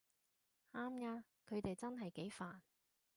啱吖，佢哋真係幾煩